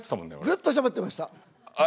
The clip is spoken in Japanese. ずっとしゃべってました。